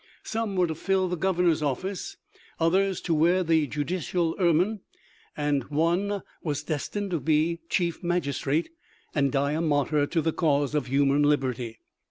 Some were to fill the Governor's office, others to 164 THE LIFE OF LINCOLN. wear the judicial ermine, and one was destined to be Chief Magistrate and die a martyr to the cause of human liberty.